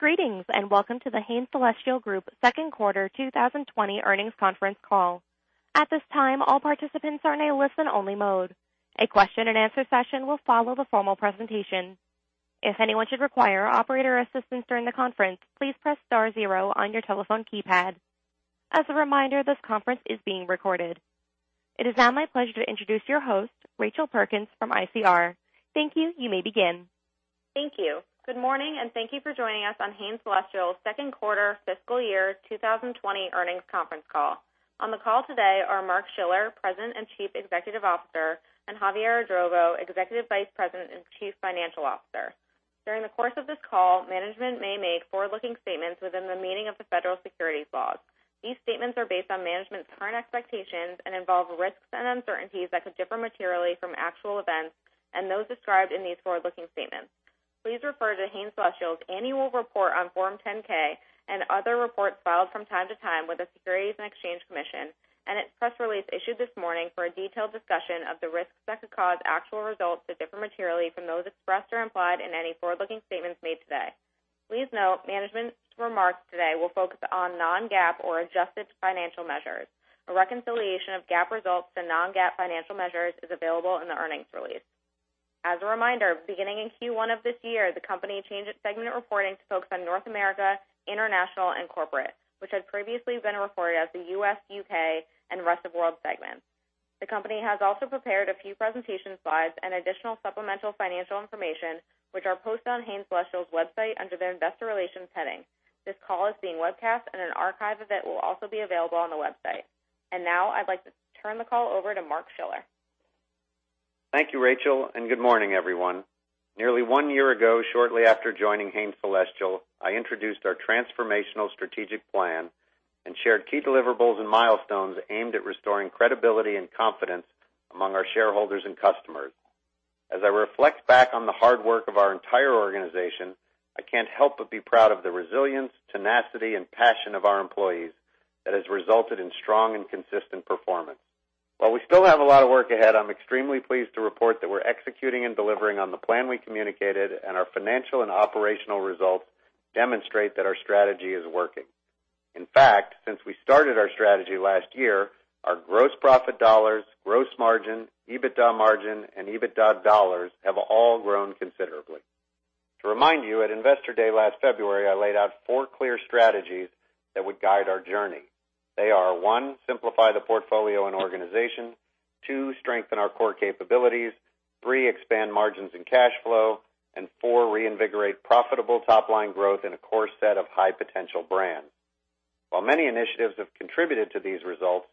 Greetings, and welcome to The Hain Celestial Group second quarter 2020 earnings conference call. At this time, all participants are in a listen-only mode. A question and answer session will follow the formal presentation. If anyone should require operator assistance during the conference, please press star zero on your telephone keypad. As a reminder, this conference is being recorded. It is now my pleasure to introduce your host, Rachel Perkins from ICR. Thank you. You may begin. Thank you. Good morning, and thank you for joining us on Hain Celestial's second quarter fiscal year 2020 earnings conference call. On the call today are Mark Schiller, President and Chief Executive Officer, and Javier Idrovo, Executive Vice President and Chief Financial Officer. During the course of this call, management may make forward-looking statements within the meaning of the federal securities laws. These statements are based on management's current expectations and involve risks and uncertainties that could differ materially from actual events and those described in these forward-looking statements. Please refer to Hain Celestial's annual report on Form 10-K and other reports filed from time to time with the Securities and Exchange Commission and its press release issued this morning for a detailed discussion of the risks that could cause actual results to differ materially from those expressed or implied in any forward-looking statements made today. Please note, management's remarks today will focus on non-GAAP or adjusted financial measures. A reconciliation of GAAP results to non-GAAP financial measures is available in the earnings release. As a reminder, beginning in Q1 of this year, the company changed its segment reporting to focus on North America, International, and Corporate, which had previously been reported as the U.S., U.K., and rest of world segments. The company has also prepared a few presentation slides and additional supplemental financial information, which are posted on Hain Celestial's website under their investor relations heading. This call is being webcast and an archive of it will also be available on the website. Now I'd like to turn the call over to Mark Schiller. Thank you, Rachel. Good morning, everyone. Nearly one year ago, shortly after joining Hain Celestial, I introduced our transformational strategic plan and shared key deliverables and milestones aimed at restoring credibility and confidence among our shareholders and customers. As I reflect back on the hard work of our entire organization, I can't help but be proud of the resilience, tenacity, and passion of our employees that has resulted in strong and consistent performance. While we still have a lot of work ahead, I'm extremely pleased to report that we're executing and delivering on the plan we communicated. Our financial and operational results demonstrate that our strategy is working. In fact, since we started our strategy last year, our gross profit dollars, gross margin, EBITDA margin, and EBITDA dollars have all grown considerably. To remind you, at Investor Day last February, I laid out four clear strategies that would guide our journey. They are, one, simplify the portfolio and organization. Two, strengthen our core capabilities. Three, expand margins and cash flow. Four, reinvigorate profitable top-line growth in a core set of high-potential brands. While many initiatives have contributed to these results,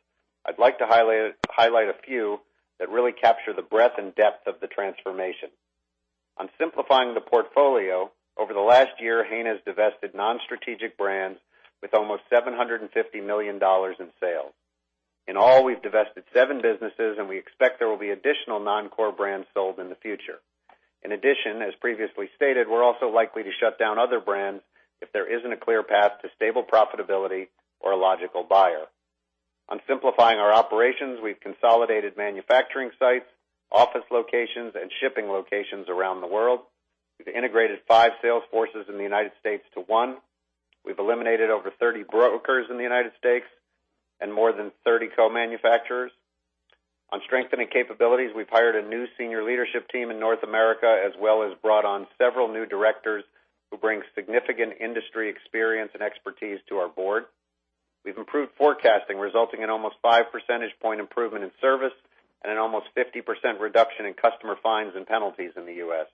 I'd like to highlight a few that really capture the breadth and depth of the transformation. On simplifying the portfolio, over the last year, Hain has divested non-strategic brands with almost $750 million in sales. In all, we've divested seven businesses, and we expect there will be additional non-core brands sold in the future. In addition, as previously stated, we're also likely to shut down other brands if there isn't a clear path to stable profitability or a logical buyer. On simplifying our operations, we've consolidated manufacturing sites, office locations, and shipping locations around the world. We've integrated five sales forces in the U.S. to one. We've eliminated over 30 brokers in the U.S. and more than 30 co-manufacturers. On strengthening capabilities, we've hired a new senior leadership team in North America, as well as brought on several new Directors who bring significant industry experience and expertise to our board. We've improved forecasting, resulting in almost 5 percentage point improvement in service and an almost 50% reduction in customer fines and penalties in the U.S.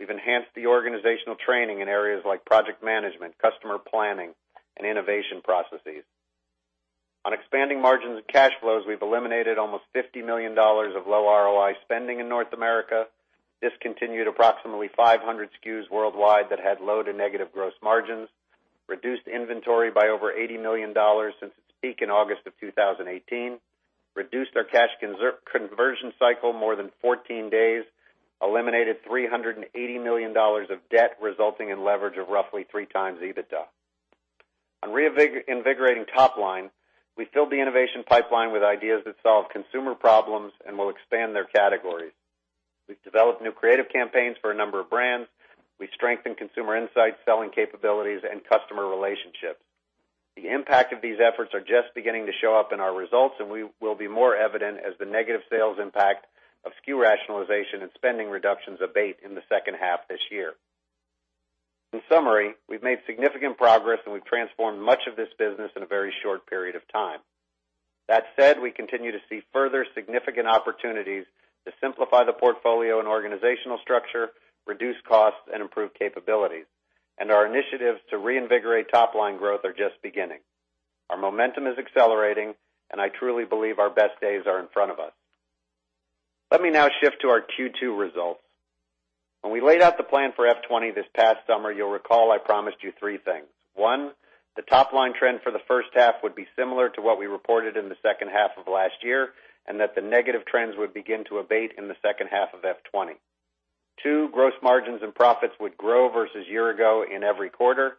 We've enhanced the organizational training in areas like project management, customer planning, and innovation processes. On expanding margins and cash flows, we've eliminated almost $50 million of low ROI spending in North America, discontinued approximately 500 SKUs worldwide that had low to negative gross margins, reduced inventory by over $80 million since its peak in August of 2018, reduced our cash conversion cycle more than 14 days, eliminated $380 million of debt, resulting in leverage of roughly three times EBITDA. On reinvigorating top line, we filled the innovation pipeline with ideas that solve consumer problems and will expand their categories. We've developed new creative campaigns for a number of brands. We strengthened consumer insights, selling capabilities, and customer relationships. The impact of these efforts are just beginning to show up in our results, and will be more evident as the negative sales impact of SKU rationalization and spending reductions abate in the second half this year. In summary, we've made significant progress, and we've transformed much of this business in a very short period of time. That said, we continue to see further significant opportunities to simplify the portfolio and organizational structure, reduce costs, and improve capabilities. Our initiatives to reinvigorate top-line growth are just beginning. Our momentum is accelerating, and I truly believe our best days are in front of us. Let me now shift to our Q2 results. When we laid out the plan for F20 this past summer, you'll recall I promised you three things. One, the top-line trend for the first half would be similar to what we reported in the second half of last year, and that the negative trends would begin to abate in the second half of 2020. Two, gross margins and profits would grow versus year-ago in every quarter.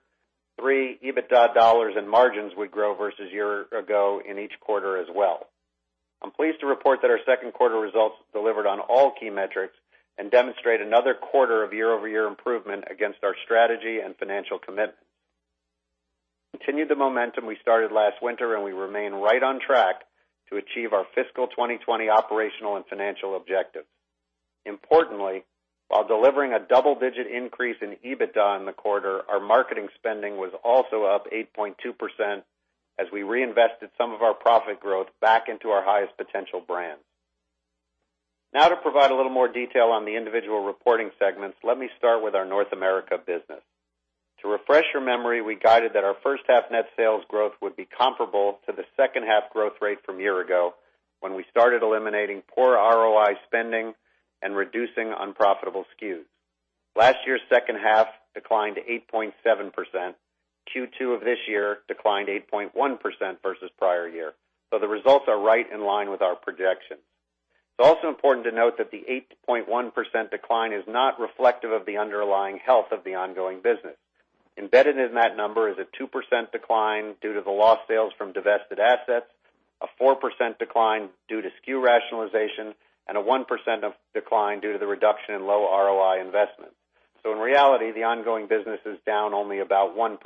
Three, EBITDA dollars and margins would grow versus year ago in each quarter as well. I'm pleased to report that our second quarter results delivered on all key metrics and demonstrate another quarter of year-over-year improvement against our strategy and financial commitments. We continued the momentum we started last winter, and we remain right on track to achieve our fiscal 2020 operational and financial objectives. Importantly, while delivering a double-digit increase in EBITDA in the quarter, our marketing spending was also up 8.2% as we reinvested some of our profit growth back into our highest potential brands. To provide a little more detail on the individual reporting segments, let me start with our North America business. To refresh your memory, we guided that our first half net sales growth would be comparable to the second half growth rate from a year ago, when we started eliminating poor ROI spending and reducing unprofitable SKUs. Last year's second half declined to 8.7%. Q2 of this year declined 8.1% versus prior year. The results are right in line with our projections. It's also important to note that the 8.1% decline is not reflective of the underlying health of the ongoing business. Embedded in that number is a 2% decline due to the lost sales from divested assets, a 4% decline due to SKU rationalization, and a 1% of decline due to the reduction in low ROI investments. In reality, the ongoing business is down only about 1%.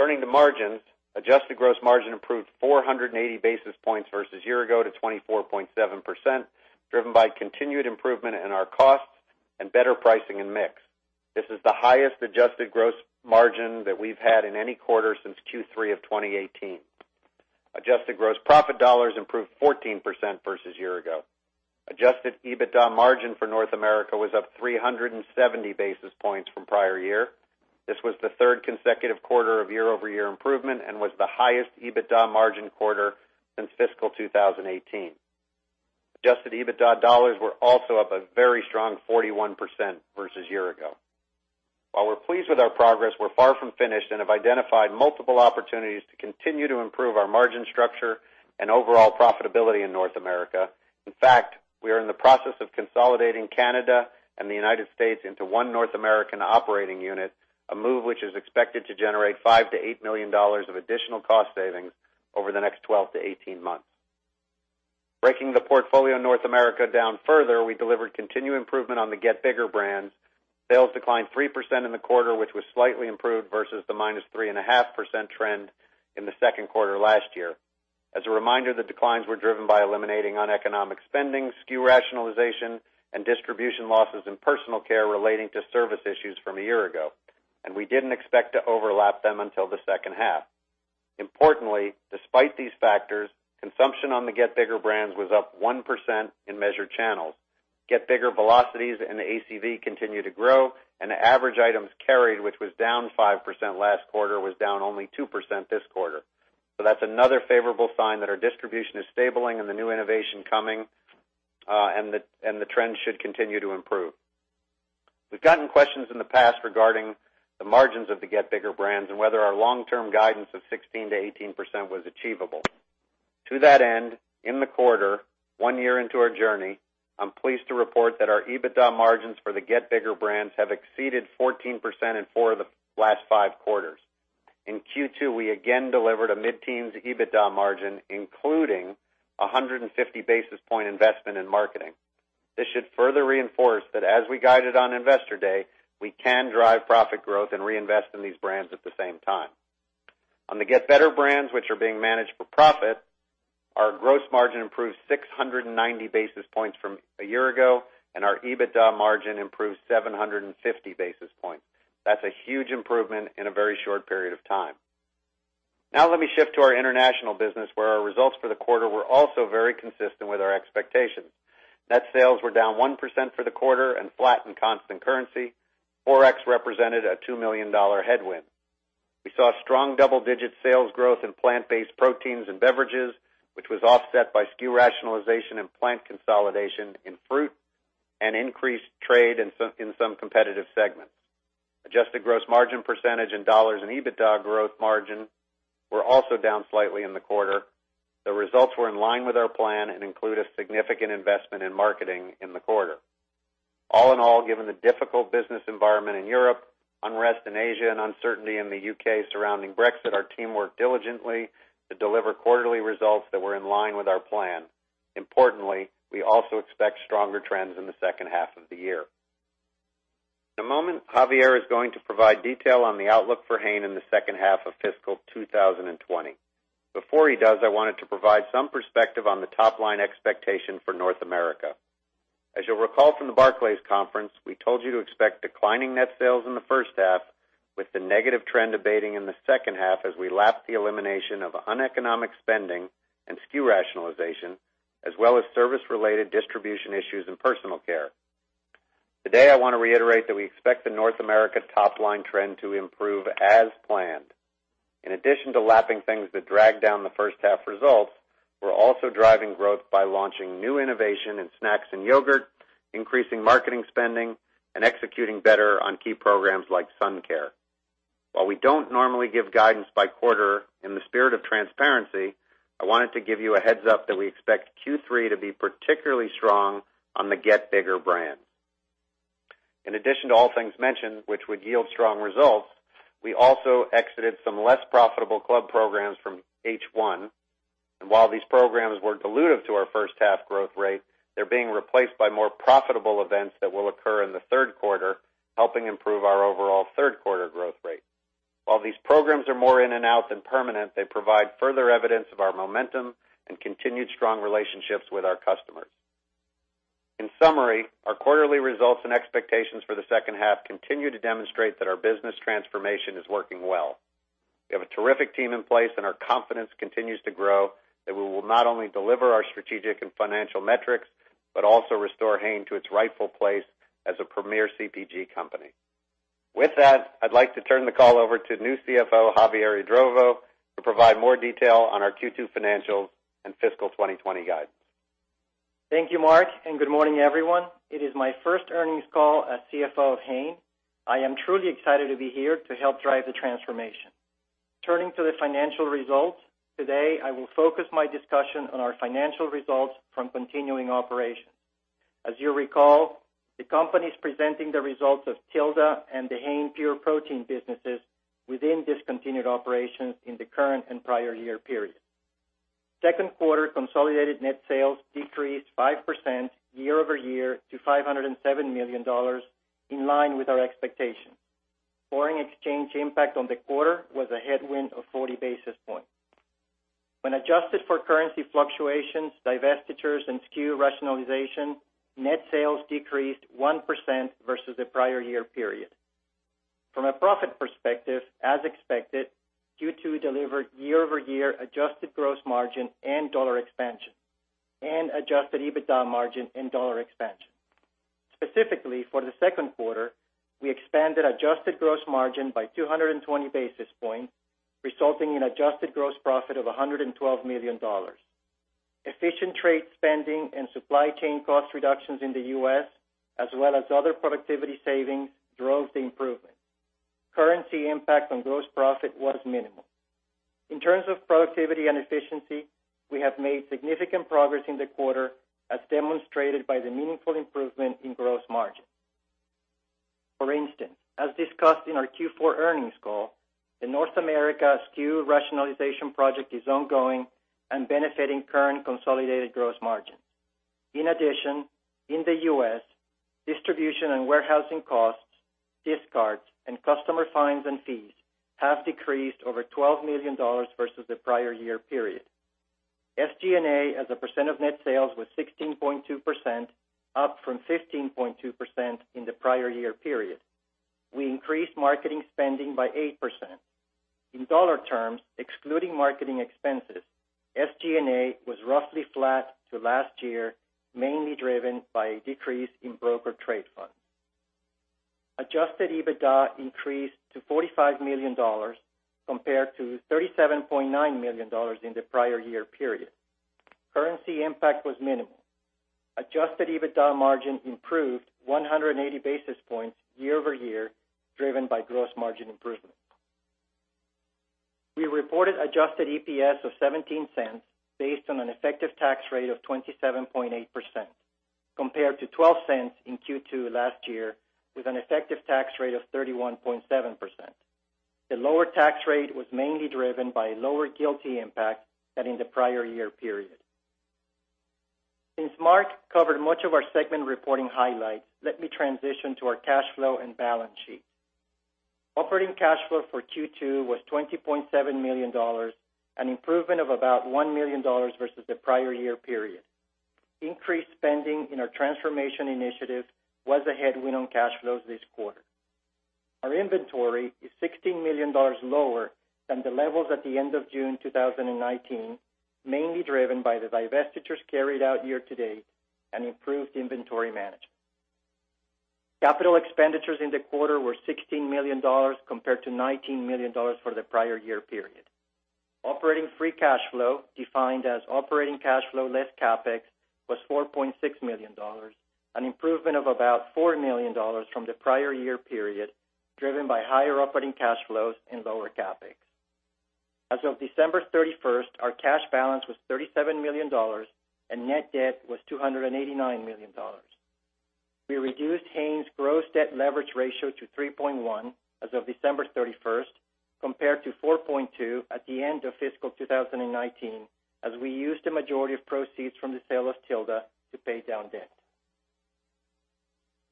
Turning to margins, adjusted gross margin improved 480 basis points versus year ago to 24.7%, driven by continued improvement in our costs and better pricing and mix. This is the highest adjusted gross margin that we've had in any quarter since Q3 of 2018. Adjusted gross profit dollars improved 14% versus year ago. Adjusted EBITDA margin for North America was up 370 basis points from prior year. This was the third consecutive quarter of year-over-year improvement and was the highest EBITDA margin quarter since fiscal 2018. Adjusted EBITDA dollars were also up a very strong 41% versus year ago. While we're pleased with our progress, we're far from finished and have identified multiple opportunities to continue to improve our margin structure and overall profitability in North America. In fact, we are in the process of consolidating Canada and the U.S. into one North American operating unit, a move which is expected to generate $5 million-$8 million of additional cost savings over the next 12-18 months. Breaking the portfolio in North America down further, we delivered continued improvement on the Get Bigger brands. Sales declined 3% in the quarter, which was slightly improved versus the -3.5% trend in the second quarter last year. As a reminder, the declines were driven by eliminating uneconomic spending, SKU rationalization, and distribution losses in personal care relating to service issues from a year ago. We didn't expect to overlap them until the second half. Importantly, despite these factors, consumption on the Get Bigger brands was up 1% in measured channels. Get Bigger velocities and the ACV continue to grow. The average items carried, which was down 5% last quarter, was down only 2% this quarter. That's another favorable sign that our distribution is stabilizing and the new innovation coming, and the trend should continue to improve. We've gotten questions in the past regarding the margins of the Get Bigger brands and whether our long-term guidance of 16%-18% was achievable. To that end, in the quarter, one year into our journey, I'm pleased to report that our EBITDA margins for the Get Bigger brands have exceeded 14% in four of the last five quarters. In Q2, we again delivered a mid-teens EBITDA margin, including 150 basis point investment in marketing. This should further reinforce that as we guided on Investor Day, we can drive profit growth and reinvest in these brands at the same time. On the Get Better brands, which are being managed for profit, our gross margin improved 690 basis points from a year ago, and our EBITDA margin improved 750 basis points. That's a huge improvement in a very short period of time. Now let me shift to our international business, where our results for the quarter were also very consistent with our expectations. Net sales were down 1% for the quarter and flat in constant currency. Forex represented a $2 million headwind. We saw strong double-digit sales growth in plant-based proteins and beverages, which was offset by SKU rationalization and plant consolidation in fruit and increased trade in some competitive segments. Adjusted gross margin percentage in dollars and EBITDA growth margin were also down slightly in the quarter. The results were in line with our plan and include a significant investment in marketing in the quarter. All in all, given the difficult business environment in Europe, unrest in Asia, and uncertainty in the U.K. surrounding Brexit, our team worked diligently to deliver quarterly results that were in line with our plan. Importantly, we also expect stronger trends in the second half of the year. In a moment, Javier Idrovo is going to provide detail on the outlook for Hain in the second half of fiscal 2020. Before he does, I wanted to provide some perspective on the top-line expectation for North America. As you'll recall from the Barclays conference, we told you to expect declining net sales in the first half with the negative trend abating in the second half as we lap the elimination of uneconomic spending and SKU rationalization, as well as service-related distribution issues in personal care. Today, I want to reiterate that we expect the North America top-line trend to improve as planned. In addition to lapping things that drag down the first half results, we're also driving growth by launching new innovation in snacks and yogurt, increasing marketing spending, and executing better on key programs like sun care. While we don't normally give guidance by quarter, in the spirit of transparency, I wanted to give you a heads up that we expect Q3 to be particularly strong on the Get Bigger brands. In addition to all things mentioned which would yield strong results, we also exited some less profitable club programs from H1. While these programs were dilutive to our first half growth rate, they're being replaced by more profitable events that will occur in the third quarter, helping improve our overall third quarter growth rate. While these programs are more in and out than permanent, they provide further evidence of our momentum and continued strong relationships with our customers. In summary, our quarterly results and expectations for the second half continue to demonstrate that our business transformation is working well. We have a terrific team in place, and our confidence continues to grow that we will not only deliver our strategic and financial metrics, but also restore Hain to its rightful place as a premier CPG company. With that, I'd like to turn the call over to new CFO, Javier Idrovo, to provide more detail on our Q2 financials and fiscal 2020 guidance. Thank you, Mark, and good morning, everyone. It is my first earnings call as CFO of Hain. I am truly excited to be here to help drive the transformation. Turning to the financial results, today, I will focus my discussion on our financial results from continuing operations. As you recall, the company's presenting the results of Tilda and the Hain Pure Protein businesses within discontinued operations in the current and prior year period. Second quarter consolidated net sales decreased 5% year-over-year to $507 million, in line with our expectations. Foreign exchange impact on the quarter was a headwind of 40 basis points. When adjusted for currency fluctuations, divestitures, and SKU rationalization, net sales decreased 1% versus the prior year period. From a profit perspective, as expected, Q2 delivered year-over-year adjusted gross margin and dollar expansion, and adjusted EBITDA margin and dollar expansion. Specifically, for the second quarter, we expanded adjusted gross margin by 220 basis points, resulting in adjusted gross profit of $112 million. Efficient trade spending and supply chain cost reductions in the U.S., as well as other productivity savings, drove the improvement. Currency impact on gross profit was minimal. In terms of productivity and efficiency, we have made significant progress in the quarter, as demonstrated by the meaningful improvement in gross margin. For instance, as discussed in our Q4 earnings call, the North America SKU rationalization project is ongoing and benefiting current consolidated gross margins. In addition, in the U.S., distribution and warehousing costs, discards, and customer fines and fees have decreased over $12 million versus the prior year period. SG&A as a percent of net sales was 16.2%, up from 15.2% in the prior year period. We increased marketing spending by 8%. In dollar terms, excluding marketing expenses, SG&A was roughly flat to last year, mainly driven by a decrease in broker trade funds. Adjusted EBITDA increased to $45 million compared to $37.9 million in the prior year period. Currency impact was minimal. Adjusted EBITDA margin improved 180 basis points year-over-year, driven by gross margin improvement. We reported adjusted EPS of $0.17 based on an effective tax rate of 27.8%, compared to $0.12 in Q2 last year with an effective tax rate of 31.7%. The lower tax rate was mainly driven by lower GILTI impact than in the prior year period. Since Mark covered much of our segment reporting highlights, let me transition to our cash flow and balance sheet. Operating cash flow for Q2 was $20.7 million, an improvement of about $1 million versus the prior year period. Increased spending in our transformation initiative was a headwind on cash flows this quarter. Our inventory is $16 million lower than the levels at the end of June 2019, mainly driven by the divestitures carried out year-to-date and improved inventory management. Capital expenditures in the quarter were $16 million compared to $19 million for the prior year period. Operating free cash flow, defined as operating cash flow less CapEx, was $4.6 million, an improvement of about $4 million from the prior year period, driven by higher operating cash flows and lower CapEx. As of December 31st, our cash balance was $37 million, and net debt was $289 million. We reduced Hain's gross debt leverage ratio to 3.1 as of December 31st compared to 4.2 at the end of fiscal 2019, as we used a majority of proceeds from the sale of Tilda to pay down debt.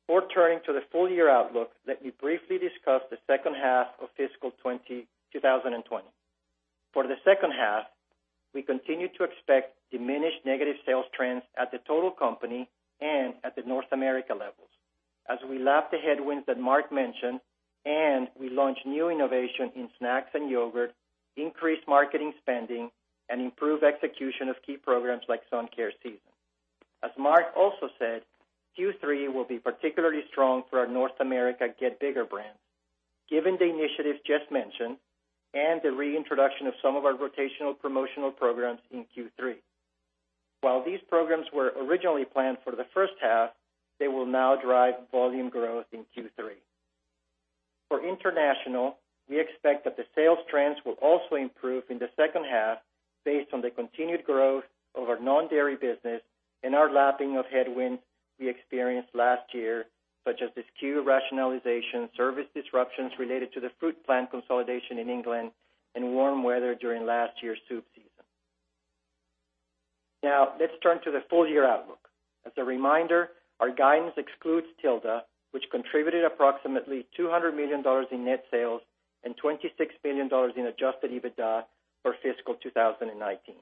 Before turning to the full year outlook, let me briefly discuss the second half of fiscal 2020. For the second half, we continue to expect diminished negative sales trends at the total company and at the North America levels as we lap the headwinds that Mark mentioned and we launch new innovation in snacks and yogurt, increase marketing spending, and improve execution of key programs like sun care season. As Mark also said, Q3 will be particularly strong for our North America Get Bigger brands given the initiatives just mentioned and the reintroduction of some of our rotational promotional programs in Q3. While these programs were originally planned for the first half, they will now drive volume growth in Q3. For international, we expect that the sales trends will also improve in the second half based on the continued growth of our non-Dairy business and our lapping of headwinds we experienced last year, such as the SKU rationalization, service disruptions related to the fruit plant consolidation in England, and warm weather during last year's soup season. Let's turn to the full year outlook. As a reminder, our guidance excludes Tilda, which contributed approximately $200 million in net sales and $26 million in adjusted EBITDA for fiscal 2019.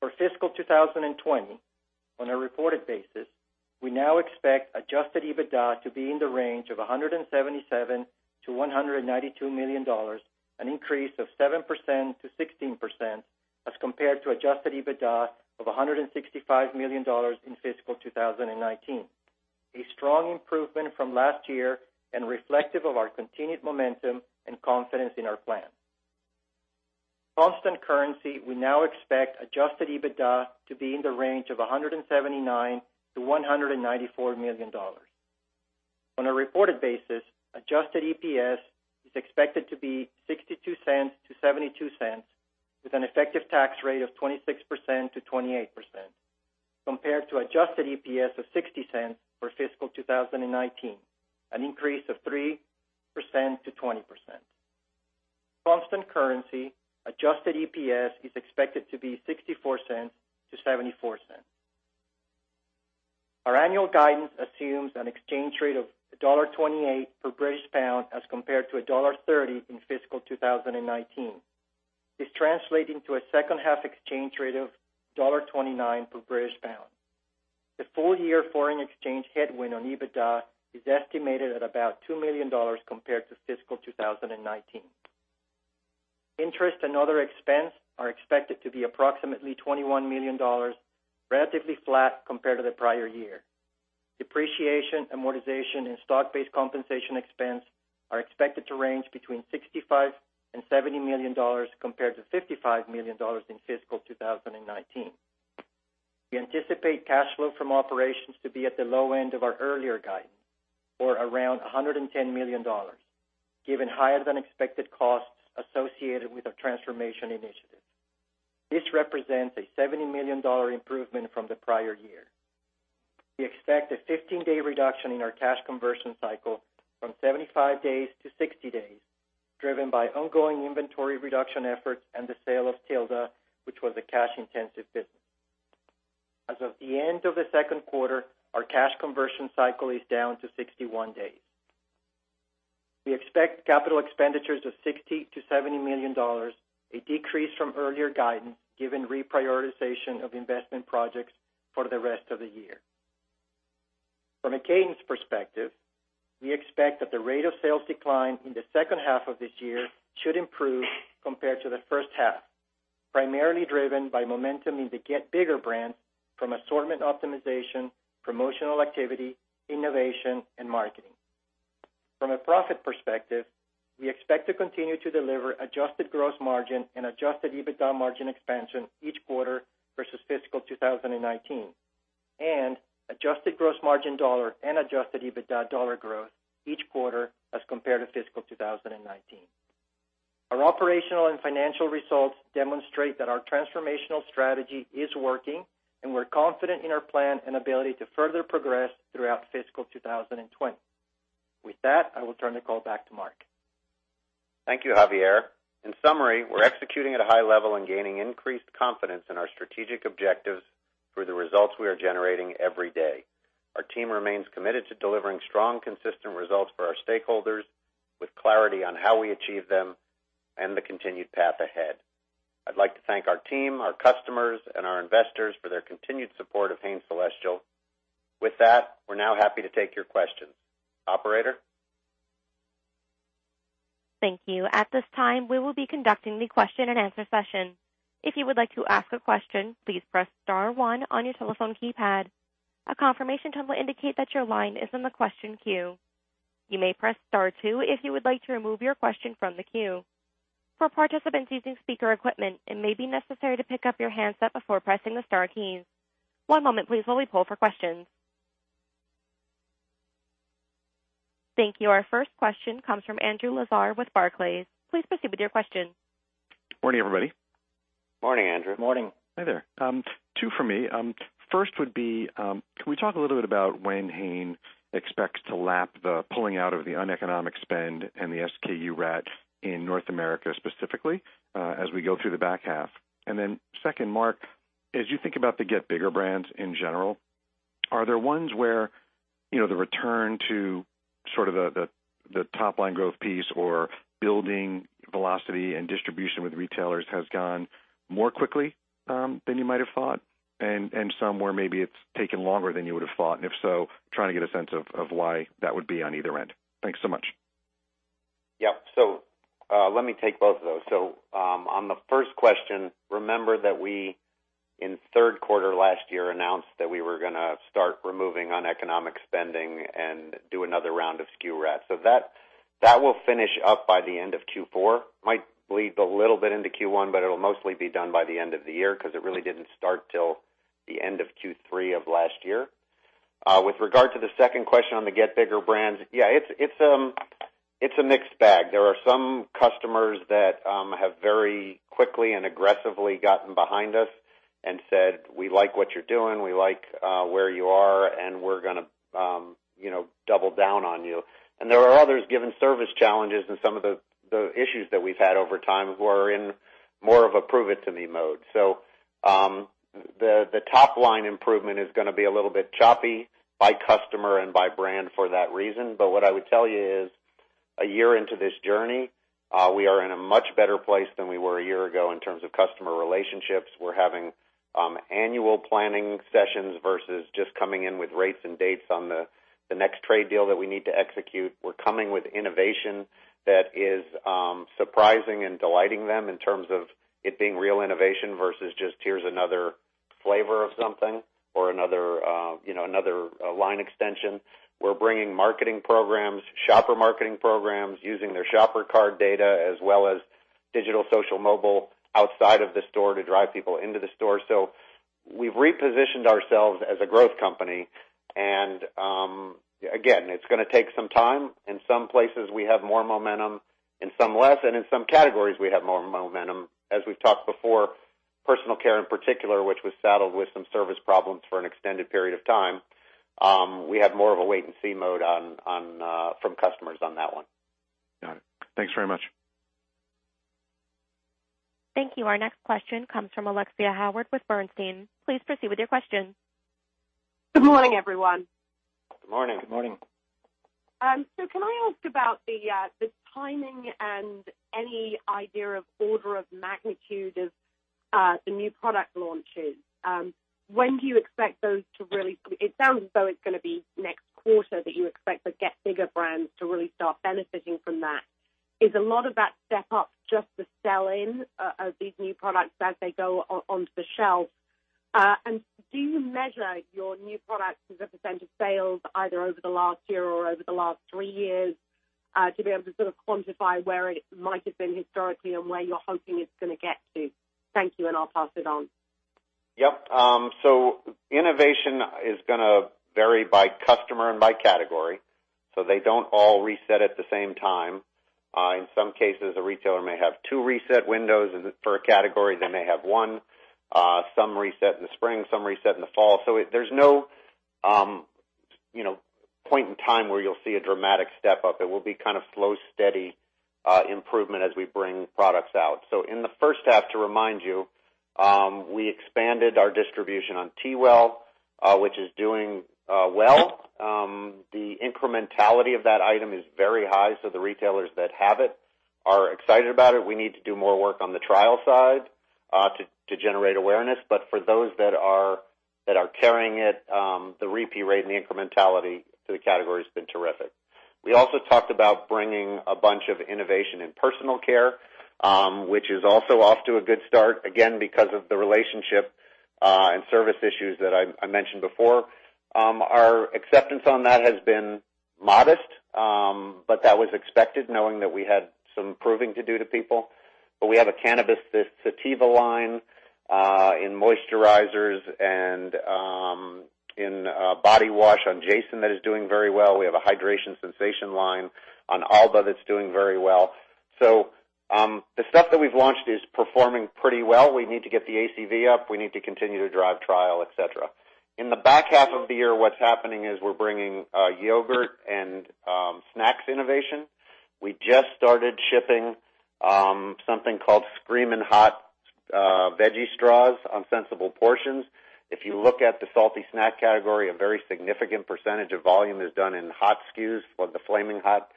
For fiscal 2020, on a reported basis, we now expect adjusted EBITDA to be in the range of $177 million-$192 million, an increase of 7%-16% as compared to adjusted EBITDA of $165 million in fiscal 2019. A strong improvement from last year and reflective of our continued momentum and confidence in our plan. Constant currency, we now expect adjusted EBITDA to be in the range of $179 million-$194 million. On a reported basis, adjusted EPS is expected to be $0.62-$0.72 with an effective tax rate of 26%-28%, compared to adjusted EPS of $0.60 for fiscal 2019, an increase of 3%-20%. Constant currency adjusted EPS is expected to be $0.64-$0.74. Our annual guidance assumes an exchange rate of $1.28 per British pound as compared to $1.30 in fiscal 2019. This translating to a second half exchange rate of $1.29 per British pound. The full year foreign exchange headwind on EBITDA is estimated at about $2 million compared to fiscal 2019. Interest and other expense are expected to be approximately $21 million, relatively flat compared to the prior year. Depreciation, amortization, and stock-based compensation expense are expected to range between $65 million and $70 million compared to $55 million in fiscal 2019. We anticipate cash flow from operations to be at the low end of our earlier guidance or around $110 million, given higher than expected costs associated with our transformation initiative. This represents a $70 million improvement from the prior year. We expect a 15-day reduction in our cash conversion cycle from 75 days-60 days, driven by ongoing inventory reduction efforts and the sale of Tilda, which was a cash-intensive business. As of the end of the second quarter, our cash conversion cycle is down to 61 days. We expect capital expenditures of $60 million-$70 million, a decrease from earlier guidance given reprioritization of investment projects for the rest of the year. From a cadence perspective, we expect that the rate of sales decline in the second half of this year should improve compared to the first half, primarily driven by momentum in the Get Bigger brands from assortment optimization, promotional activity, innovation, and marketing. From a profit perspective, we expect to continue to deliver adjusted gross margin and adjusted EBITDA margin expansion each quarter versus fiscal 2019, and adjusted gross margin dollar and adjusted EBITDA dollar growth each quarter as compared to fiscal 2019. Our operational and financial results demonstrate that our transformational strategy is working, and we're confident in our plan and ability to further progress throughout fiscal 2020. With that, I will turn the call back to Mark. Thank you, Javier. In summary, we're executing at a high level and gaining increased confidence in our strategic objectives through the results we are generating every day. Our team remains committed to delivering strong, consistent results for our stakeholders with clarity on how we achieve them and the continued path ahead. I'd like to thank our team, our customers, and our investors for their continued support of Hain Celestial. With that, we're now happy to take your questions. Operator? Thank you. At this time, we will be conducting the question and answer session. If you would like to ask a question, please press star one on your telephone keypad. A confirmation tone will indicate that your line is in the question queue. You may press star two if you would like to remove your question from the queue. For participants using speaker equipment, it may be necessary to pick up your handset before pressing the star keys. One moment please while we poll for questions. Thank you. Our first question comes from Andrew Lazar with Barclays. Please proceed with your question. Good morning, everybody. Good morning, Andrew. Good morning. Hi there. Two for me. First would be, can we talk a little bit about when Hain expects to lap the pulling out of the uneconomic spend and the SKU rationalization in North America specifically, as we go through the back half? Second, Mark, as you think about the Get Bigger brands in general, are there ones where the return to the top line growth piece or building velocity and distribution with retailers has gone more quickly than you might have thought, and some where maybe it's taken longer than you would have thought? If so, trying to get a sense of why that would be on either end. Thanks so much. Yeah. Let me take both of those. On the first question, remember that we, in third quarter last year, announced that we were going to start removing uneconomic spending and do another round of SKU rationalization. That will finish up by the end of Q4. Might bleed a little bit into Q1, but it'll mostly be done by the end of the year because it really didn't start till the end of Q3 of last year. With regard to the second question on the Get Bigger brands, yeah, it's a mixed bag. There are some customers that have very quickly and aggressively gotten behind us and said, "We like what you're doing. We like where you are, and we're going to double down on you." There are others, given service challenges and some of the issues that we've had over time, who are in more of a prove-it-to-me mode. The top-line improvement is going to be a little bit choppy by customer and by brand for that reason. What I would tell you is, a year into this journey, we are in a much better place than we were a year ago in terms of customer relationships. We're having annual planning sessions versus just coming in with rates and dates on the next trade deal that we need to execute. We're coming with innovation that is surprising and delighting them in terms of it being real innovation versus just here's another flavor of something or another line extension. We're bringing marketing programs, shopper marketing programs, using their shopper card data, as well as digital, social, mobile outside of the store to drive people into the store. We've repositioned ourselves as a growth company and, again, it's going to take some time. In some places, we have more momentum, in some less, and in some categories, we have more momentum. As we've talked before, personal care in particular, which was saddled with some service problems for an extended period of time, we have more of a wait-and-see mode from customers on that one. Got it. Thanks very much. Thank you. Our next question comes from Alexia Howard with Bernstein. Please proceed with your question. Good morning, everyone. Good morning. Good morning. Can I ask about the timing and any idea of order of magnitude of the new product launches? When do you expect those to really? It sounds as though it's going to be next quarter that you expect the Get Bigger brands to really start benefiting from that. Is a lot of that step up just the sell-in of these new products as they go onto the shelf? Do you measure your new products as a percent of sales either over the last year or over the last three years, to be able to sort of quantify where it might have been historically and where you're hoping it's going to get to? Thank you, and I'll pass it on. Innovation is going to vary by customer and by category. They don't all reset at the same time. In some cases, a retailer may have two reset windows for a category, they may have one. Some reset in the spring, some reset in the fall. There's no point in time where you'll see a dramatic step up. It will be kind of slow, steady improvement as we bring products out. In the first half, to remind you, we expanded our distribution on TeaWell, which is doing well. The incrementality of that item is very high, so the retailers that have it are excited about it. We need to do more work on the trial side to generate awareness. For those that are carrying it, the repeat rate and the incrementality to the category has been terrific. We also talked about bringing a bunch of innovation in personal care, which is also off to a good start. Because of the relationship and service issues that I mentioned before, our acceptance on that has been modest. That was expected, knowing that we had some proving to do to people. We have a Cannabis Sativa line in moisturizers and in body wash on Jason that is doing very well. We have a Hydration Sensation line on Alba that's doing very well. The stuff that we've launched is performing pretty well. We need to get the ACV up. We need to continue to drive trial, et cetera. In the back half of the year, what's happening is we're bringing yogurt and snacks innovation. We just started shipping something called Screamin' Hot Veggie Straws on Sensible Portions. If you look at the salty snack category, a very significant percent of volume is done in hot SKUs or the flaming hot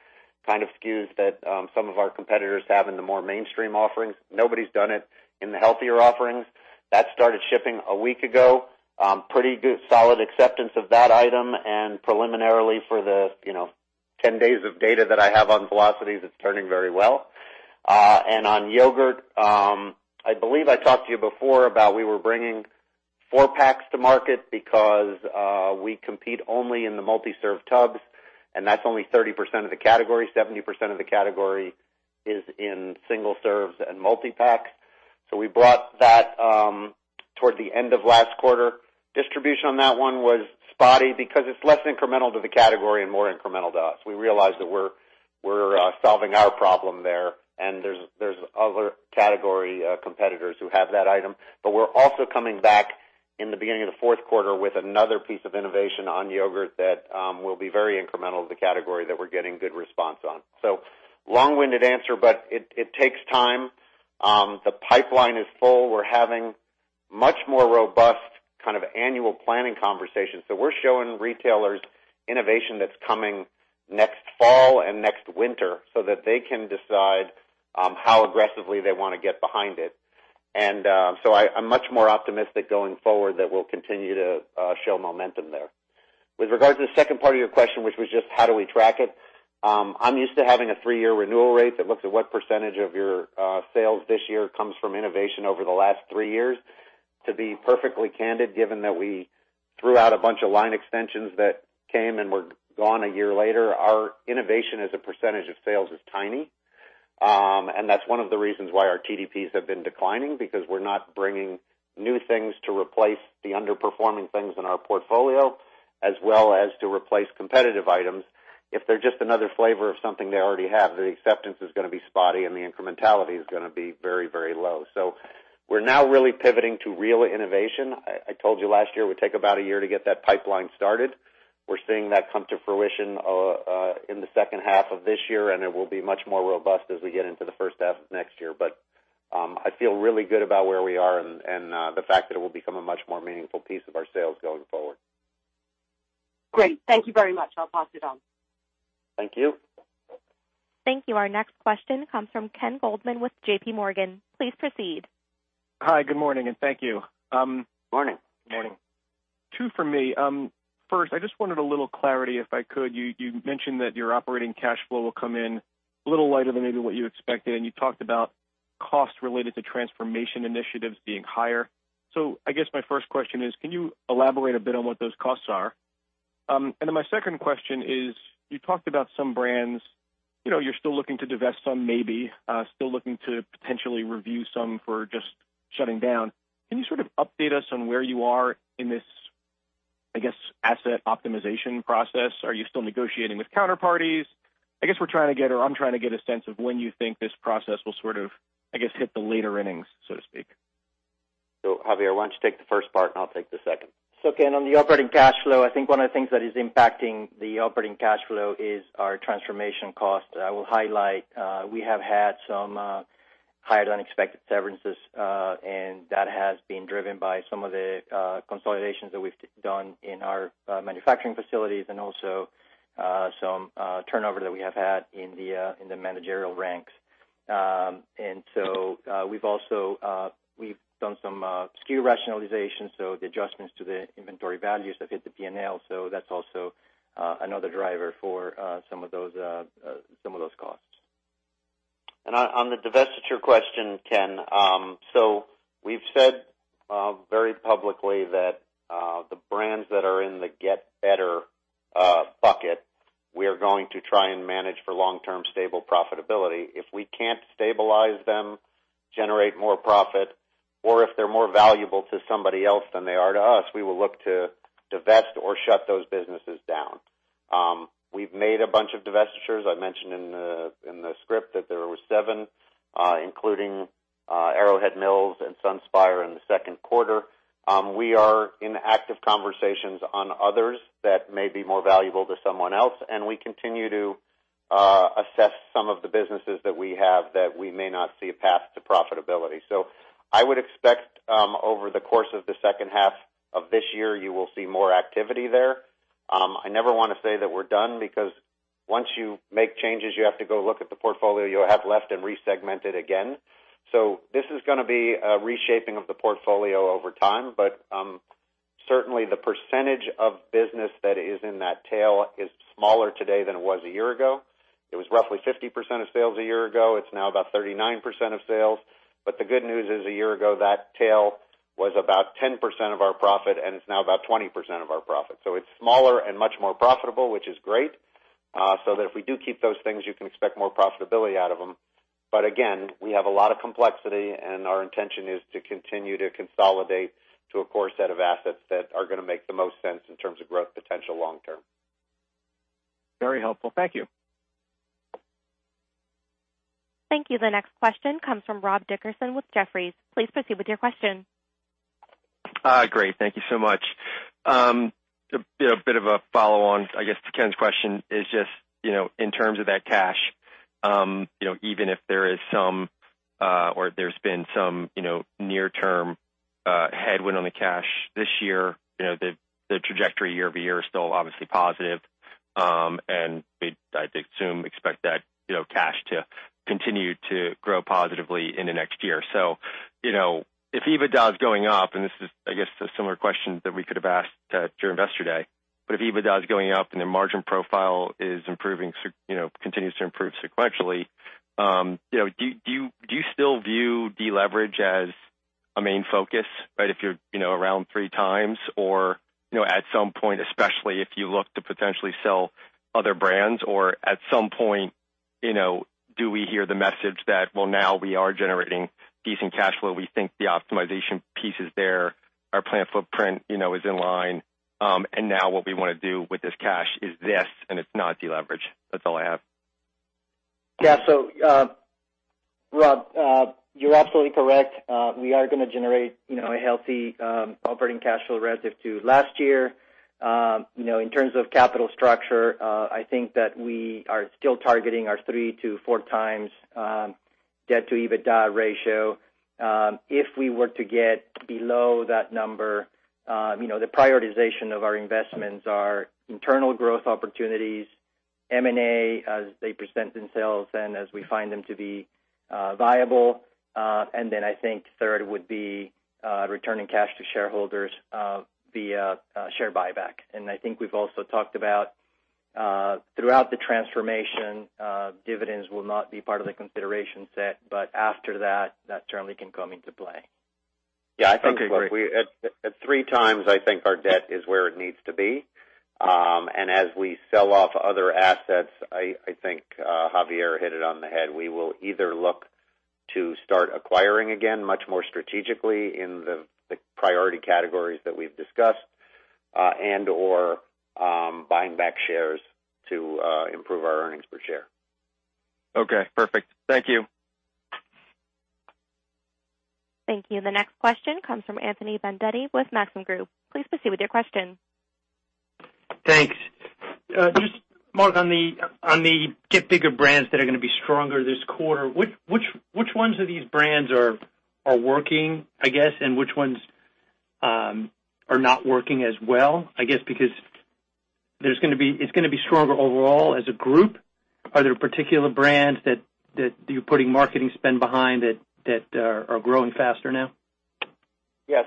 kind of SKUs that some of our competitors have in the more mainstream offerings. Nobody's done it in the healthier offerings. That started shipping a week ago. Pretty good, solid acceptance of that item, preliminarily for the 10 days of data that I have on velocities, it's turning very well. On yogurt, I believe I talked to you before about we were bringing four-packs to market because we compete only in the multi-serve tubs, and that's only 30% of the category. 70% of the category is in single serves and multi-packs. We brought that towards the end of last quarter. Distribution on that one was spotty because it's less incremental to the category and more incremental to us. We realized that we're solving our problem there, and there's other category competitors who have that item. We're also coming back in the beginning of the fourth quarter with another piece of innovation on yogurt that will be very incremental to the category that we're getting good response on. Long-winded answer, but it takes time. The pipeline is full. We're having much more robust kind of annual planning conversations. We're showing retailers innovation that's coming next fall and next winter so that they can decide how aggressively they want to get behind it. I'm much more optimistic going forward that we'll continue to show momentum there. With regards to the second part of your question, which was just how do we track it? I'm used to having a three-year renewal rate that looks at what percentage of your sales this year comes from innovation over the last three years. To be perfectly candid, given that we threw out a bunch of line extensions that came and were gone a year later. Our innovation as a percentage of sales is tiny. That's one of the reasons why our TDPs have been declining, because we're not bringing new things to replace the underperforming things in our portfolio, as well as to replace competitive items. If they're just another flavor of something they already have, the acceptance is going to be spotty and the incrementality is going to be very low. We're now really pivoting to real innovation. I told you last year it would take about a year to get that pipeline started. We're seeing that come to fruition in the second half of this year, and it will be much more robust as we get into the first half of next year. I feel really good about where we are and the fact that it will become a much more meaningful piece of our sales going forward. Great. Thank you very much. I'll pass it on. Thank you. Thank you. Our next question comes from Ken Goldman with JPMorgan. Please proceed. Hi, good morning, and thank you. Good morning. Good morning. Two from me. First, I just wanted a little clarity, if I could. You mentioned that your operating cash flow will come in a little lighter than maybe what you expected, and you talked about costs related to transformation initiatives being higher. I guess my first question is, can you elaborate a bit on what those costs are? My second question is, you talked about some brands, you're still looking to divest some, maybe, still looking to potentially review some for just shutting down. Can you sort of update us on where you are in this, I guess, asset optimization process? Are you still negotiating with counterparties? I guess we're trying to get, or I'm trying to get a sense of when you think this process will sort of, I guess, hit the later innings, so to speak. Javier, why don't you take the first part and I'll take the second. Ken, on the operating cash flow, I think one of the things that is impacting the operating cash flow is our transformation cost. I will highlight, we have had some higher than expected severances, and that has been driven by some of the consolidations that we've done in our manufacturing facilities and also, some turnover that we have had in the managerial ranks. We've done some SKU rationalization, so the adjustments to the inventory values have hit the P&L. That's also another driver for some of those costs. On the divestiture question, Ken. We've said very publicly that the brands that are in the Get Better bucket, we are going to try and manage for long-term stable profitability. If we can't stabilize them, generate more profit, or if they're more valuable to somebody else than they are to us, we will look to divest or shut those businesses down. We've made a bunch of divestitures. I mentioned in the script that there were seven, including Arrowhead Mills and SunSpire in the second quarter. We are in active conversations on others that may be more valuable to someone else, and we continue to assess some of the businesses that we have that we may not see a path to profitability. I would expect, over the course of the second half of this year, you will see more activity there. I never want to say that we're done because once you make changes, you have to go look at the portfolio you have left and re-segment it again. This is going to be a reshaping of the portfolio over time, but certainly the percentage of business that is in that tail is smaller today than it was a year ago. It was roughly 50% of sales a year ago. It's now about 39% of sales. The good news is a year ago, that tail was about 10% of our profit, and it's now about 20% of our profit. It's smaller and much more profitable, which is great. That if we do keep those things, you can expect more profitability out of them. Again, we have a lot of complexity, and our intention is to continue to consolidate to a core set of assets that are going to make the most sense in terms of growth potential long term. Very helpful. Thank you. Thank you. The next question comes from Rob Dickerson with Jefferies. Please proceed with your question. Great. Thank you so much. A bit of a follow-on, I guess, to Ken's question is just, in terms of that cash, even if there is some, or there's been some near-term headwind on the cash this year, the trajectory year-over-year is still obviously positive. We'd, I'd assume, expect that cash to continue to grow positively in the next year. If EBITDA is going up, and this is, I guess, a similar question that we could have asked at your Investor Day, but if EBITDA is going up and the margin profile continues to improve sequentially, do you still view deleverage as a main focus, if you're around three times or, at some point, especially if you look to potentially sell other brands? At some point, do we hear the message that, "Well, now we are generating decent cash flow. We think the optimization piece is there. Our plant footprint is in line. Now what we want to do with this cash is this, and it's not deleverage. That's all I have. Yeah. Rob, you're absolutely correct. We are going to generate a healthy operating cash flow relative to last year. In terms of capital structure, I think that we are still targeting our three to four times debt to EBITDA ratio. If we were to get below that number, the prioritization of our investments are internal growth opportunities, M&A as they present themselves and as we find them to be viable. Then I think third would be returning cash to shareholders via share buyback. I think we've also talked about, throughout the transformation, dividends will not be part of the consideration set, but after that certainly can come into play. Yeah. Okay, great. At 3x, I think our debt is where it needs to be. As we sell off other assets, I think Javier hit it on the head. We will either look to start acquiring again much more strategically in the priority categories that we've discussed, and/or buying back shares to improve our earnings per share. Okay, perfect. Thank you. Thank you. The next question comes from Anthony Vendetti with Maxim Group. Please proceed with your question. Thanks. Just, Mark, on the Get Bigger brands that are going to be stronger this quarter, which ones of these brands are working, I guess, and which ones are not working as well? I guess, because it's going to be stronger overall as a group. Are there particular brands that you're putting marketing spend behind that are growing faster now? Yeah.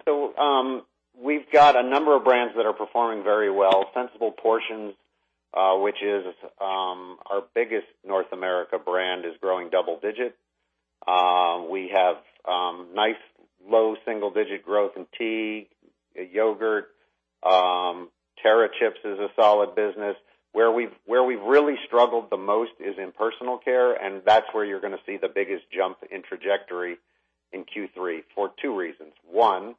We've got a number of brands that are performing very well. Sensible Portions, which is our biggest North America brand, is growing double-digit. We have nice low single-digit growth in tea, yogurt. Terra Chips is a solid business. Where we've really struggled the most is in personal care, that's where you're going to see the biggest jump in trajectory in Q3 for two reasons. One,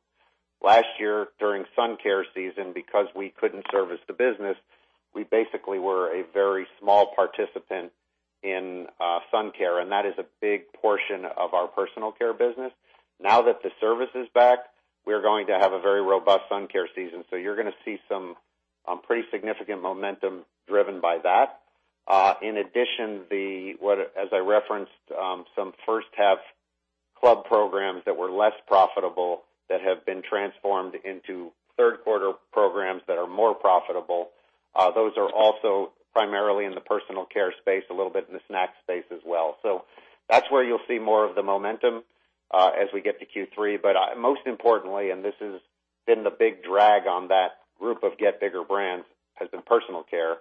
last year during sun care season, because we couldn't service the business, we basically were a very small participant in sun care, that is a big portion of our Personal Care business. Now that the service is back, we are going to have a very robust sun care season. You're going to see some pretty significant momentum driven by that. In addition, as I referenced, some first half club programs that were less profitable that have been transformed into third quarter programs that are more profitable. Those are also primarily in the personal care space, a little bit in the snack space as well. That's where you'll see more of the momentum as we get to Q3. Most importantly, and this has been the big drag on that group of Get Bigger brands, has been personal care.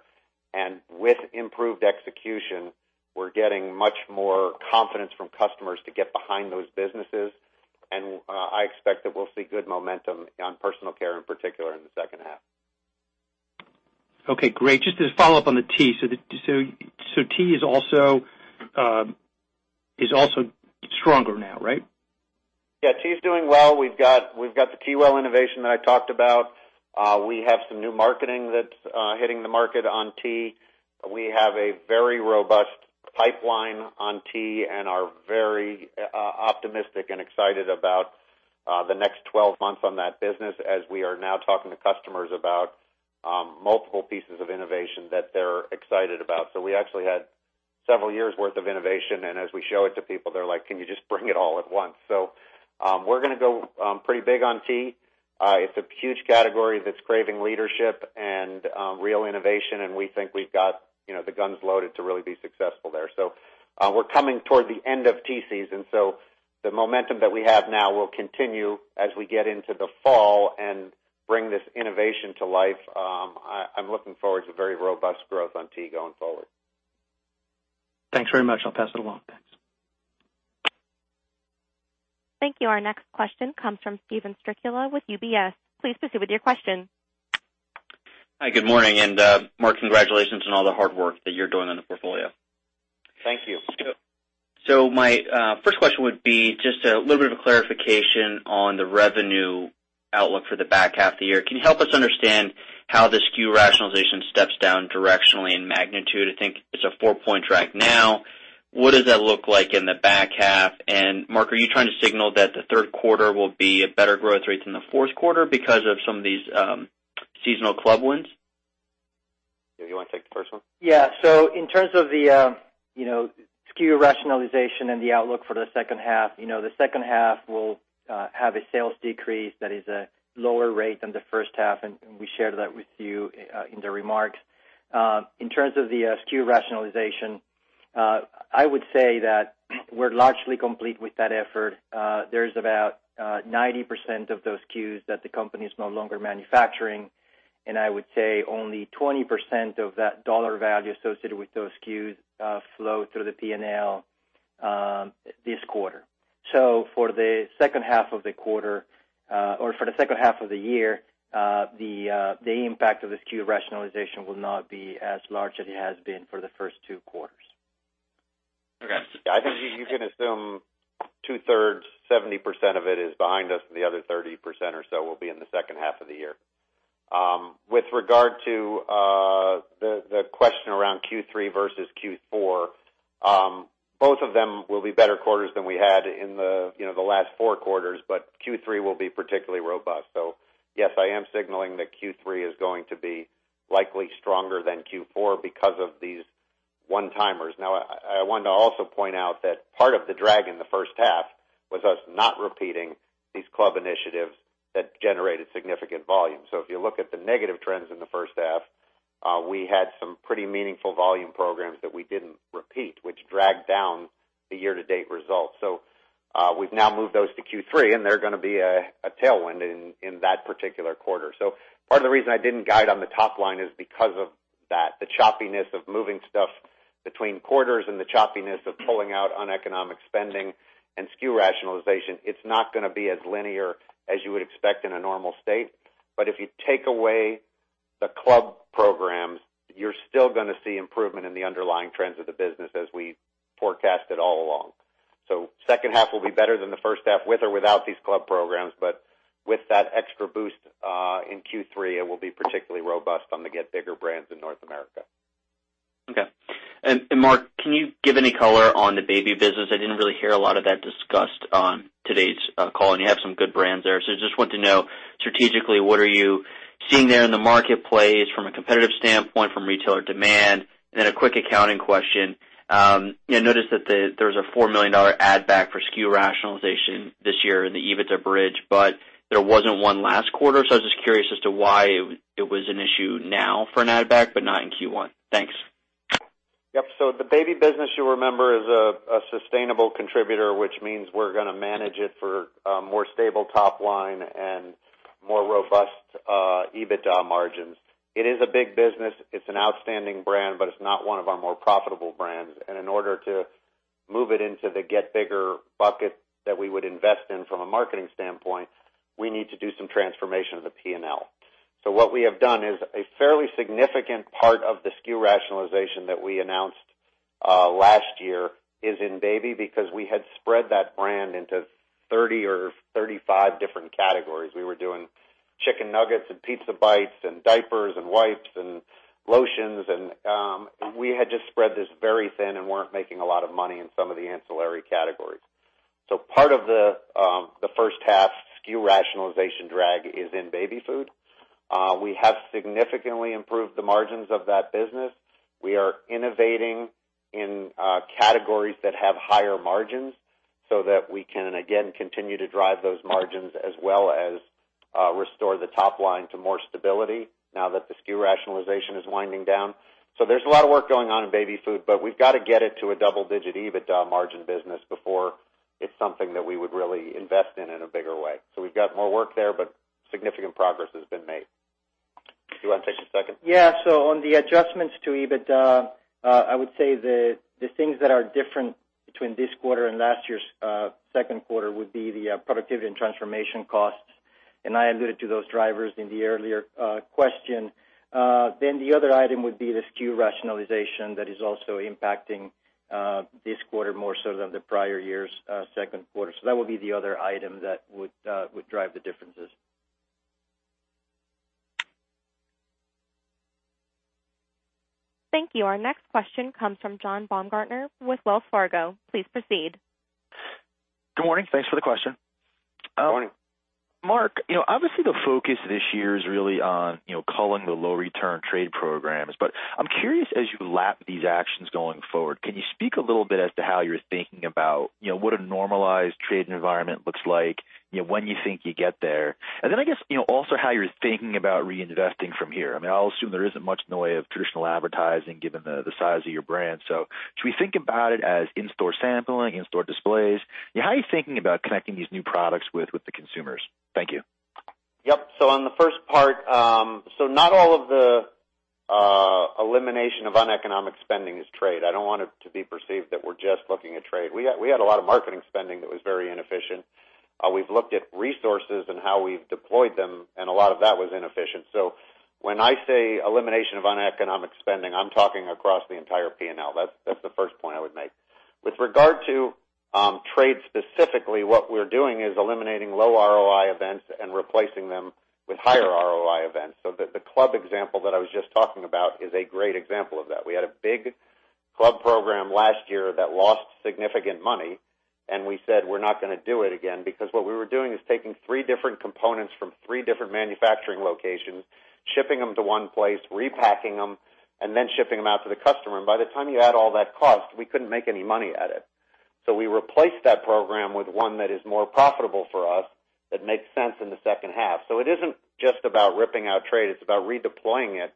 With improved execution, we're getting much more confidence from customers to get behind those businesses. I expect that we'll see good momentum on personal care, in particular in the second half. Okay, great. Just to follow up on the tea. Tea is also stronger now, right? Yeah, tea is doing well. We've got the TeaWell innovation that I talked about. We have some new marketing that's hitting the market on tea. We have a very robust pipeline on tea and are very optimistic and excited about the next 12 months on that business as we are now talking to customers about multiple pieces of innovation that they're excited about. We actually had several years' worth of innovation, and as we show it to people, they're like, "Can you just bring it all at once?" We're going to go pretty big on tea. It's a huge category that's craving leadership and real innovation, and we think we've got the guns loaded to really be successful there. We're coming toward the end of tea season, so the momentum that we have now will continue as we get into the fall and bring this innovation to life. I'm looking forward to very robust growth on tea going forward. Thanks very much. I'll pass it along. Thanks. Thank you. Our next question comes from Steven Strycula with UBS. Please proceed with your question. Hi, good morning, and Mark, congratulations on all the hard work that you're doing on the portfolio. Thank you. My first question would be just a little bit of a clarification on the revenue outlook for the back half of the year. Can you help us understand how the SKU rationalization steps down directionally in magnitude? I think it's a four point drag now. What does that look like in the back half? Mark, are you trying to signal that the third quarter will be a better growth rate than the fourth quarter because of some of these seasonal club wins? Do you want to take the first one? In terms of the SKU rationalization and the outlook for the second half, the second half will have a sales decrease that is a lower rate than the first half, and we shared that with you in the remarks. In terms of the SKU rationalization, I would say that we're largely complete with that effort. There's about 90% of those SKUs that the company is no longer manufacturing, and I would say only 20% of that dollar value associated with those SKUs flow through the P&L this quarter. For the second half of the quarter, or for the second half of the year, the impact of the SKU rationalization will not be as large as it has been for the first two quarters. Okay. I think you can assume 2/3, 70% of it is behind us, and the other 30% or so will be in the second half of the year. With regard to the question around Q3 versus Q4, both of them will be better quarters than we had in the last four quarters, but Q3 will be particularly robust. Yes, I am signaling that Q3 is going to be likely stronger than Q4 because of these one-timers. Now, I want to also point out that part of the drag in the first half was us not repeating these club initiatives that generated significant volume. If you look at the negative trends in the first half, we had some pretty meaningful volume programs that we didn't repeat, which dragged down the year-to-date results. We've now moved those to Q3, and they're going to be a tailwind in that particular quarter. Part of the reason I didn't guide on the top line is because of that. The choppiness of moving stuff between quarters and the choppiness of pulling out uneconomic spending and SKU rationalization. It's not going to be as linear as you would expect in a normal state. If you take away the club programs, you're still going to see improvement in the underlying trends of the business as we forecasted all along. The second half will be better than the first half, with or without these club programs. With that extra boost in Q3, it will be particularly robust on the Get Bigger brands in North America. Okay. Mark, can you give any color on the Baby business? I didn't really hear a lot of that discussed on today's call, and you have some good brands there. I just want to know, strategically, what are you seeing there in the marketplace from a competitive standpoint, from retailer demand? Then a quick accounting question. I noticed that there's a $4 million add back for SKU rationalization this year in the EBITDA bridge, but there wasn't one last Q1. I was just curious as to why it was an issue now for an add back, but not in Q1. Thanks. Yep. The Baby business, you'll remember, is a sustainable contributor, which means we're going to manage it for a more stable top line and more robust EBITDA margins. It is a big business. It's an outstanding brand, but it's not one of our more profitable brands. In order to move it into the Get Bigger bucket that we would invest in from a marketing standpoint, we need to do some transformation of the P&L. What we have done is a fairly significant part of the SKU rationalization that we announced last year is in baby because we had spread that brand into 30 or 35 different categories. We were doing chicken nuggets and pizza bites and diapers and wipes and lotions, we had just spread this very thin and weren't making a lot of money in some of the ancillary categories. Part of the first half SKU rationalization drag is in baby food. We have significantly improved the margins of that business. We are innovating in categories that have higher margins so that we can, again, continue to drive those margins as well as restore the top line to more stability now that the SKU rationalization is winding down. There's a lot of work going on in baby food, but we've got to get it to a double-digit EBITDA margin business before it's something that we would really invest in in a bigger way. We've got more work there, but significant progress has been made. Do you want to take the second? Yeah. On the adjustments to EBITDA, I would say the things that are different between this quarter and last year's second quarter would be the productivity and transformation costs, and I alluded to those drivers in the earlier question. The other item would be the SKU rationalization that is also impacting this quarter more so than the prior year's second quarter. That would be the other item that would drive the differences. Thank you. Our next question comes from John Baumgartner with Wells Fargo. Please proceed. Good morning. Thanks for the question. Good morning. Mark, obviously the focus this year is really on culling the low return trade programs. I'm curious, as you lap these actions going forward, can you speak a little bit as to how you're thinking about what a normalized trade environment looks like, when you think you get there, then I guess, also how you're thinking about reinvesting from here. I'll assume there isn't much in the way of traditional advertising, given the size of your brand. Should we think about it as in-store sampling, in-store displays? How are you thinking about connecting these new products with the consumers? Thank you. Yep. On the first part, so not all of the elimination of uneconomic spending is trade. I don't want it to be perceived that we're just looking at trade. We had a lot of marketing spending that was very inefficient. We've looked at resources and how we've deployed them, and a lot of that was inefficient. When I say elimination of uneconomic spending, I'm talking across the entire P&L. That's the first point I would make. With regard to trade specifically, what we're doing is eliminating low ROI events and replacing them with higher ROI events. The club example that I was just talking about is a great example of that. We had a big club program last year that lost significant money. We said we're not going to do it again because what we were doing is taking three different components from three different manufacturing locations, shipping them to one place, repacking them, and then shipping them out to the customer. By the time you add all that cost, we couldn't make any money at it. We replaced that program with one that is more profitable for us that makes sense in the second half. It isn't just about ripping out trade, it's about redeploying it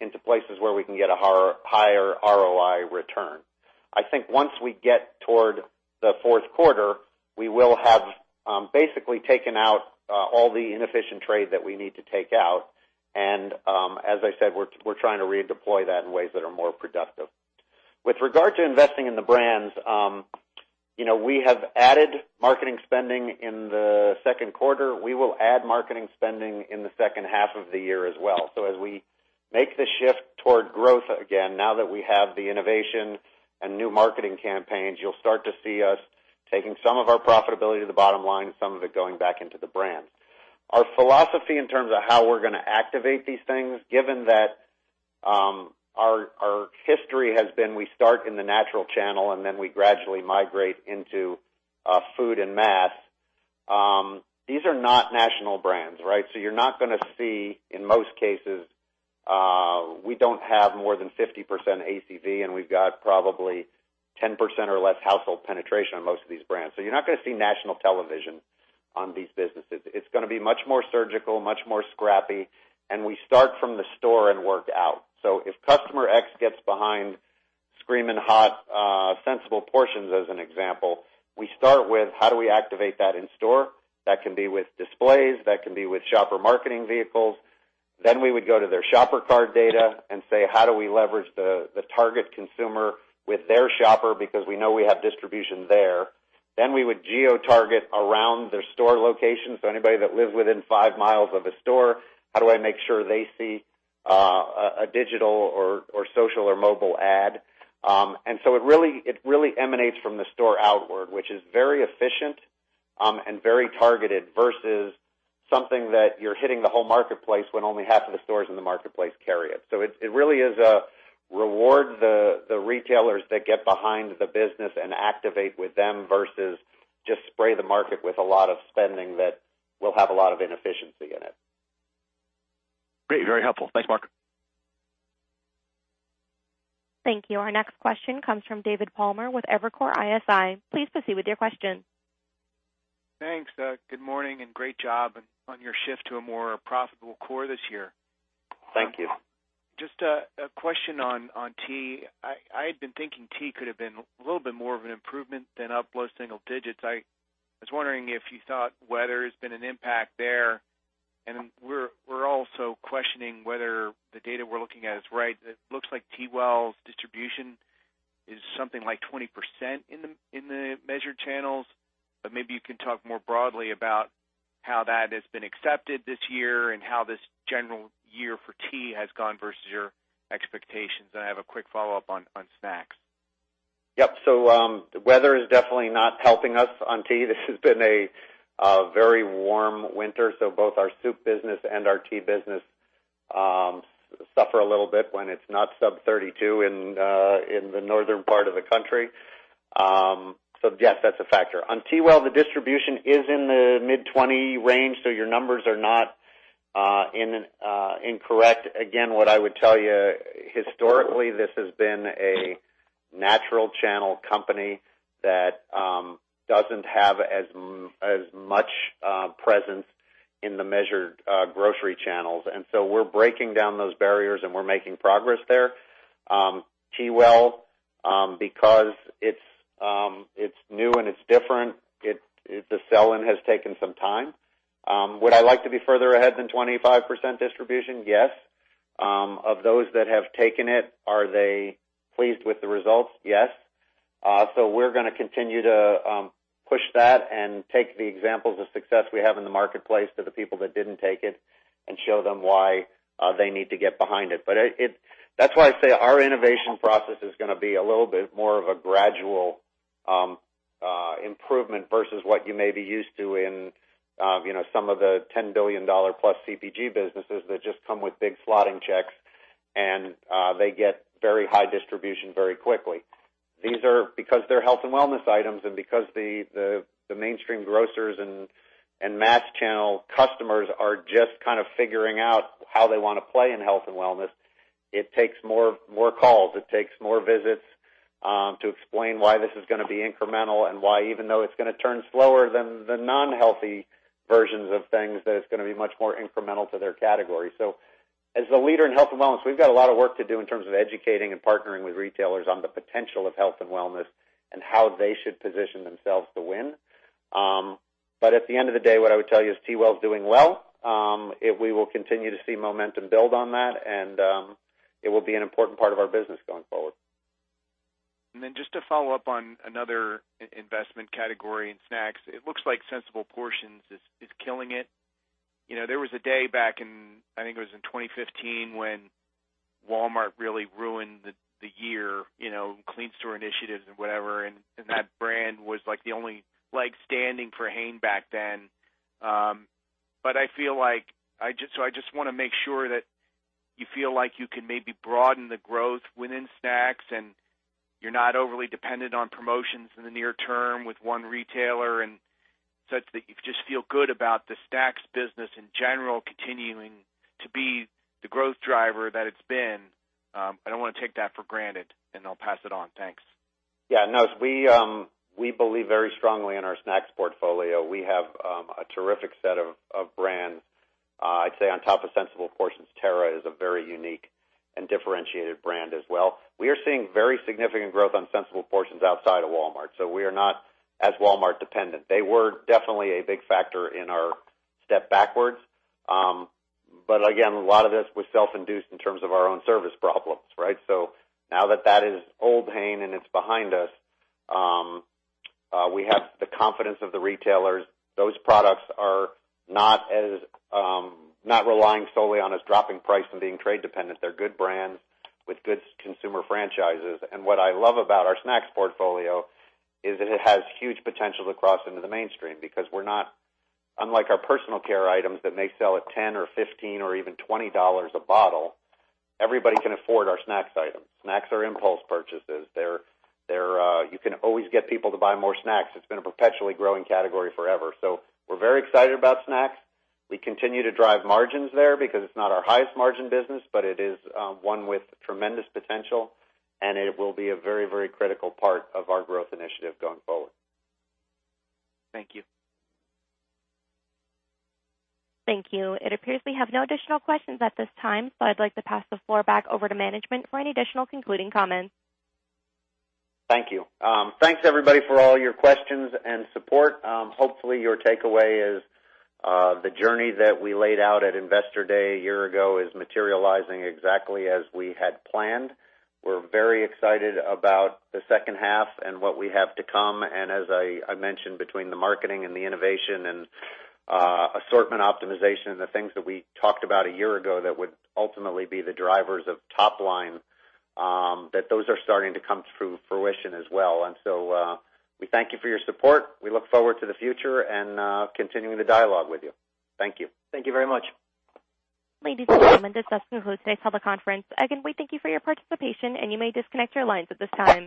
into places where we can get a higher ROI return. I think once we get toward the fourth quarter, we will have basically taken out all the inefficient trade that we need to take out. As I said, we're trying to redeploy that in ways that are more productive. With regard to investing in the brands, we have added marketing spending in the second quarter. We will add marketing spending in the second half of the year as well. As we make the shift toward growth again, now that we have the innovation and new marketing campaigns, you'll start to see us taking some of our profitability to the bottom line and some of it going back into the brand. Our philosophy in terms of how we're going to activate these things, given that our history has been, we start in the natural channel and then we gradually migrate into food and mass. These are not national brands, right? You're not going to see, in most cases, we don't have more than 50% ACV, and we've got probably 10% or less household penetration on most of these brands. You're not going to see national television on these businesses. It's going to be much more surgical, much more scrappy. We start from the store and work out. If customer X gets behind Screamin' Hot Sensible Portions, as an example, we start with how do we activate that in store. That can be with displays, that can be with shopper marketing vehicles. We would go to their shopper card data and say, how do we leverage the target consumer with their shopper because we know we have distribution there. We would geo-target around their store location. Anybody that lives within five miles of a store, how do I make sure they see a digital or social or mobile ad? It really emanates from the store outward, which is very efficient and very targeted versus something that you're hitting the whole marketplace when only half of the stores in the marketplace carry it. It really is a reward the retailers that get behind the business and activate with them versus just spray the market with a lot of spending that will have a lot of inefficiency in it. Great. Very helpful. Thanks, Mark. Thank you. Our next question comes from David Palmer with Evercore ISI. Please proceed with your question. Thanks. Good morning and great job on your shift to a more profitable core this year. Thank you. Just a question on tea. I had been thinking tea could have been a little bit more of an improvement than up low single digits. I was wondering if you thought whether it's been an impact there, and we're also questioning whether the data we're looking at is right. It looks like TeaWell's distribution is something like 20% in the measured channels. Maybe you can talk more broadly about how that has been accepted this year and how this general year for tea has gone versus your expectations. I have a quick follow-up on snacks. Yep. The weather is definitely not helping us on tea. This has been a very warm winter, so both our Soup business and our Tea business suffer a little bit when it's not sub 32 in the northern part of the country. Yes, that's a factor. On TeaWell, the distribution is in the mid-20 range, so your numbers are not incorrect. Again, what I would tell you, historically, this has been a natural channel company that doesn't have as much presence in the measured grocery channels. We're breaking down those barriers and we're making progress there. TeaWell, because it's new and it's different, the sell-in has taken some time. Would I like to be further ahead than 25% distribution? Yes. Of those that have taken it, are they pleased with the results? Yes. We're gonna continue to push that and take the examples of success we have in the marketplace to the people that didn't take it and show them why they need to get behind it. That's why I say our innovation process is gonna be a little bit more of a gradual improvement versus what you may be used to in some of the $10 billion+ CPG businesses that just come with big slotting checks, and they get very high distribution very quickly. They're health and wellness items and because the mainstream grocers and mass channel customers are just kind of figuring out how they want to play in health and wellness, it takes more calls. It takes more visits to explain why this is gonna be incremental and why even though it's gonna turn slower than the non-healthy versions of things, that it's gonna be much more incremental to their category. As the leader in health and wellness, we've got a lot of work to do in terms of educating and partnering with retailers on the potential of health and wellness and how they should position themselves to win. At the end of the day, what I would tell you is TeaWell's doing well. We will continue to see momentum build on that, and it will be an important part of our business going forward. Then just to follow up on another investment category in snacks, it looks like Sensible Portions is killing it. There was a day back in, I think it was in 2015, when Walmart really ruined the year, clean store initiatives and whatever, and that brand was the only leg standing for Hain back then. I just want to make sure that you feel like you can maybe broaden the growth within snacks, and you're not overly dependent on promotions in the near term with one retailer and such, that you just feel good about the Snacks business in general continuing to be the growth driver that it's been. I don't want to take that for granted, and I'll pass it on. Thanks. Yeah, no, we believe very strongly in our snacks portfolio. We have a terrific set of brands. I'd say on top of Sensible Portions, Terra is a very unique and differentiated brand as well. We are seeing very significant growth on Sensible Portions outside of Walmart. We are not as Walmart dependent. They were definitely a big factor in our step backwards. Again, a lot of this was self-induced in terms of our own service problems, right? Now that that is old Hain and it's behind us, we have the confidence of the retailers. Those products are not relying solely on us dropping price and being trade dependent. They're good brands with good consumer franchises. What I love about our snacks portfolio is that it has huge potential to cross into the mainstream because unlike our personal care items that may sell at $10 or $15 or even $20 a bottle, everybody can afford our snacks items. Snacks are impulse purchases. You can always get people to buy more snacks. It has been a perpetually growing category forever. We are very excited about snacks. We continue to drive margins there because it is not our highest margin business, but it is one with tremendous potential, and it will be a very, very critical part of our growth initiative going forward. Thank you. Thank you. It appears we have no additional questions at this time. I'd like to pass the floor back over to management for any additional concluding comments. Thank you. Thanks everybody for all your questions and support. Hopefully, your takeaway is the journey that we laid out at Investor Day a year ago is materializing exactly as we had planned. We're very excited about the second half and what we have to come, and as I mentioned, between the marketing and the innovation and assortment optimization and the things that we talked about a year ago that would ultimately be the drivers of top line, that those are starting to come to fruition as well. We thank you for your support. We look forward to the future and continuing the dialogue with you. Thank you. Thank you very much. Ladies and gentlemen, this does conclude today's teleconference. Again, we thank you for your participation, and you may disconnect your lines at this time.